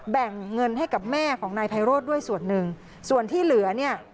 แบ่งเงินให้กับแม่ของนายไพโรธด้วยส่วนหนึ่งส่วนที่เหลือเนี่ย